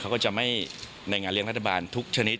เขาก็จะไม่ในงานเลี้ยงรัฐบาลทุกชนิด